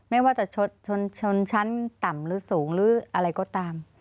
ไม่ว่าจะชนชั้นต่ำหรือสูงหรืออะไรก็ตาม